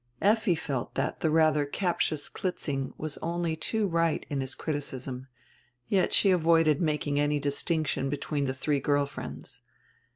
Effi felt diat the ratiier captious Klitzing was only too right in his criti cism, yet she avoided making any distinction between the three girl friends.